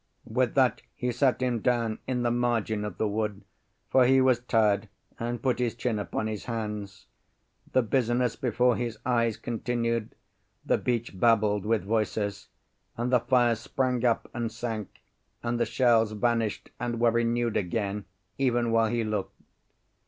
With that he sat him down in the margin of the wood, for he was tired, and put his chin upon his hands. The business before his eyes continued: the beach babbled with voices, and the fires sprang up and sank, and the shells vanished and were renewed again even while he looked.